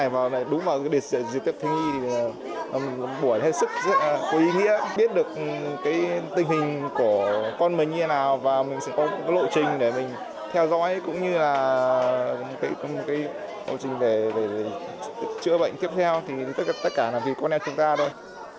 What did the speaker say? và một cái hội trình để chữa bệnh tiếp theo thì tất cả là vì con em chúng ta thôi